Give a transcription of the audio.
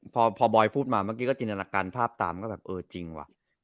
พอปลอยพูดมาเมื่อกี้ก็ญาติภาพตามแบบเออจริงวะ